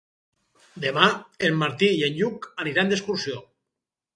Demà en Martí i en Lluc aniran d'excursió.